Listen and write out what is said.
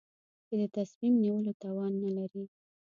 چې د تصمیم نیولو توان نه لري.